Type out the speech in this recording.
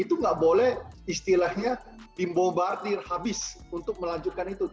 itu tidak boleh istilahnya dibobardir habis untuk melanjutkan itu